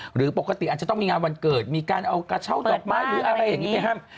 หรือปกติอาจจะต้องมีงานวันเกิดมีการเอากระเช้าดอกไม้หรืออะไรอย่างนี้ไปห้าม